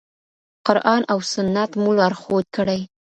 قرآن او سنت مو لارښود کړئ.